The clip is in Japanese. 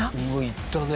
いったね。